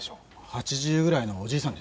８０ぐらいのおじいさんでした。